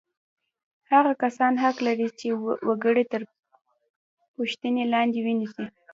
هغه کسان حق لري چې وګړي تر پوښتنې لاندې ونیسي.